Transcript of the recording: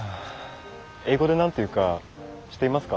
英語で何て言うか知っていますか？